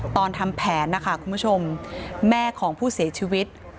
ทำแผนนะคะคุณผู้ชมแม่ของผู้เสียชีวิต